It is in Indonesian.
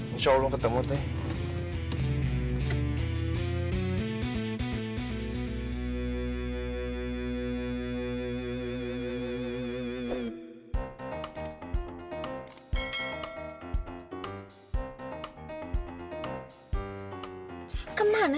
insya allah ketemu teh